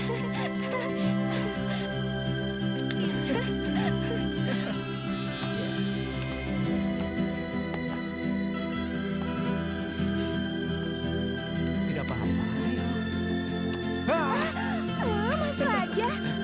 oh iya silakan masuk